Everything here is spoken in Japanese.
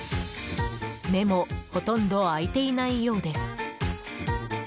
目もほとんど開いていないようです。